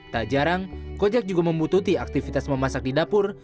tak jarang kojek juga membutuhkan aktivitas memasak di dapur